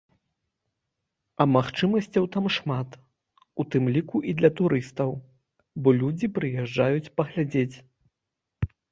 А магчымасцяў там шмат, у тым ліку і для турыстаў, бо людзі прыязджаюць паглядзець.